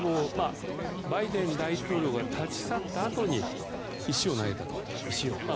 バイデン大統領が立ち去ったあとに石を投げたと。